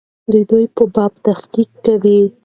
دوی په باب یې تحقیق کاوه.